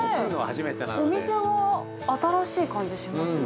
◆お店は新しい感じしますね。